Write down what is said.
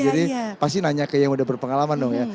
jadi pasti nanya ke yang sudah berpengalaman dong ya